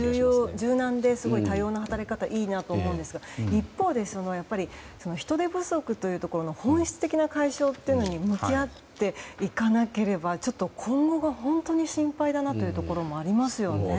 柔軟で、多様な働き方はいいなと思いますが一方、人手不足ということの本質的な解消に向き合っていかなければ今後が本当に心配だなというところもありますよね。